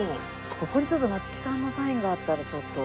ここにちょっと松木さんのサインがあったらちょっと。